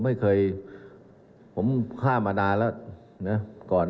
ในครุ่มสายมีก่อน